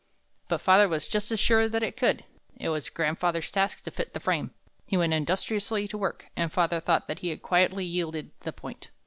But father was just as sure that it could. It was grandfather's task to fit the frame. He went industriously to work, and father thought that he had quietly yielded the point.